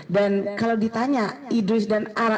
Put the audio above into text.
dan kalau ditanya idris dan ara